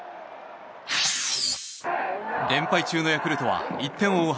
連敗中のヤクルトは１点を追う